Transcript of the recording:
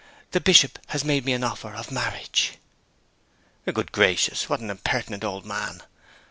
The Bishop has made me an offer of marriage.' 'Good gracious, what an impertinent old man!